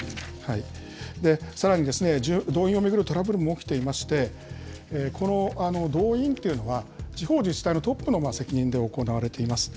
さらに、動員を巡るトラブルも起きていまして、動員っていうのは地方自治体のトップの責任で行われています。